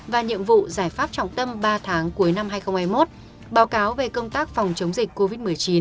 và nhiệm vụ giải pháp trọng tâm ba tháng cuối năm hai nghìn hai mươi một báo cáo về công tác phòng chống dịch covid một mươi chín